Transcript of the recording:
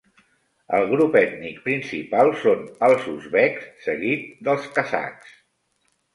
El grup ètnic principal són els uzbeks, seguit dels kazakhs.